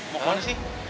mau ke mana sih